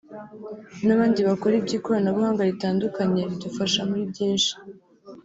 n’abandi bakora iby’ikoranabuhanga ritandukanye ridufasha muri byinshi